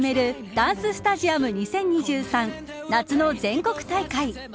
ダンススタジアム２０２３夏の全国大会。